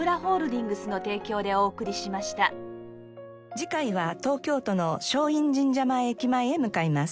次回は東京都の松陰神社前駅前へ向かいます。